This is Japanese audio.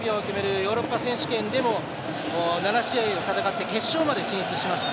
ヨーロッパ選手権でも７試合を戦って決勝まで進出しました。